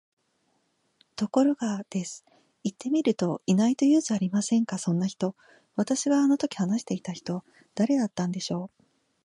ところが、です。行ってみると居ないと言うじゃありませんか、そんな人。私があの時話していた人、誰だったんでしょう？